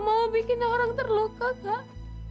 mila gak mau bikin orang terluka kak